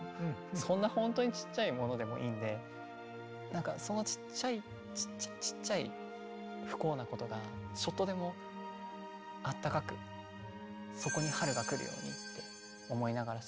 そんな本当にちっちゃいものでもいいんでなんかそのちっちゃいちっちゃいちっちゃい不幸なことがちょっとでもあったかくそこに春が来るようにって思いながら滑ってますね。